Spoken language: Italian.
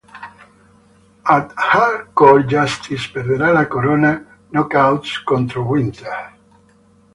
Ad Hardcore Justice perderà la corona Knockouts contro Winter.